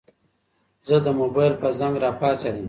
زه د موبايل په زنګ راپاڅېدم.